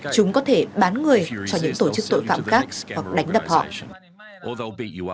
chúng có thể bán người cho những tổ chức tội phạm khác hoặc đánh đập họ